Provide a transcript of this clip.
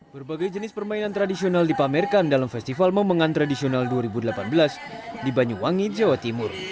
berbagai jenis permainan tradisional dipamerkan dalam festival momen tradisional dua ribu delapan belas di banyuwangi jawa timur